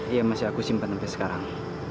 iya masih aku simpan sampai sekarang